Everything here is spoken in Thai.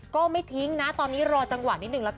ก็ไม่ทิ้งนะตอนนี้รอจังหวะนิดนึงละกัน